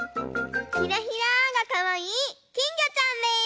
ひらひらがかわいいきんぎょちゃんです！